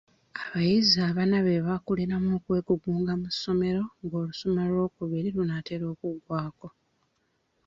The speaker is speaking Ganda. Abayizi abana be baakuliramu okwegugunga mu ssomero ng'olusoma olw'okubiri lunaatera okuggwako.